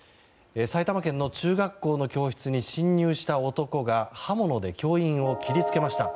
埼玉県の中学校の教室に侵入した男が刃物で教員を切り付けました。